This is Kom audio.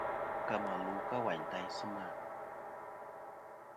Ka mà lu ka wàyn taysɨ ma.